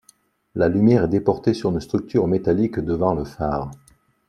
La lumière est déportée sur une structure métallique devant le phare.